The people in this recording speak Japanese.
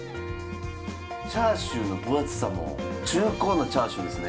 チャーシューの分厚さも重厚なチャーシューですね。